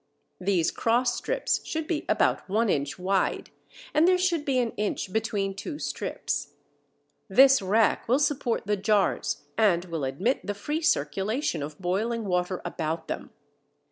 These cross strips should be about 1 inch wide, and there should be an inch between two strips. This rack will support the jars and will admit the free circulation of boiling water about them.